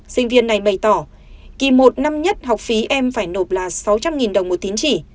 sinh viên này bày tỏ kỳ một năm nhất học phí em phải nộp là sáu trăm linh đồng một tín chỉ